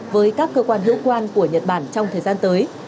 với các cơ quan hữu quan của nhật bản trong thời gian tới